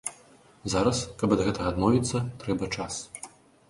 Зараз, каб ад гэтага адмовіцца, трэба час.